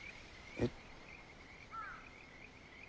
えっ？